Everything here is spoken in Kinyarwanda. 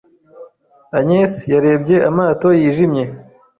Agnès yarebye amato yijimye.